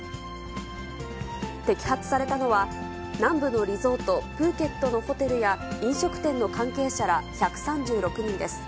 摘発されたのは、南部のリゾート、プーケットのホテルや、飲食店の関係者ら１３６人です。